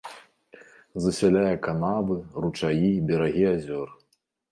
Засяляе канавы, ручаі, берагі азёр.